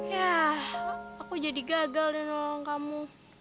ya aku jadi gagal nih nolong kamu